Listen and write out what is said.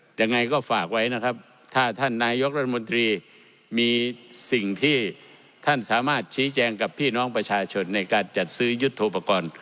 ยังไงก็ฝากไว้นะครับถ้าท่านนายกรัฐมนตรีมีสิ่งที่ท่านสามารถชี้แจงกับพี่น้องประชาชนในการจัดซื้อยุทธโปรกรณ์